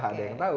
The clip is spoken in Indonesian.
saya yang tahu